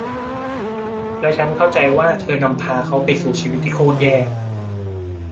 และฉันเข้าใจว่าเธอนำพาเขาไปสู่ชีวิตที่โครตแย่